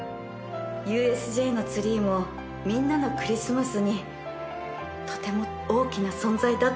ＵＳＪのツリーもみんなのクリスマスにとても大きな存在だったんだなって。